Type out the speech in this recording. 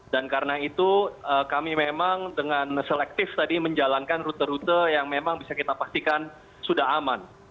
dan karena itu kami memang dengan selektif tadi menjalankan rute rute yang memang bisa kita pastikan sudah aman